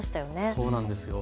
そうなんです。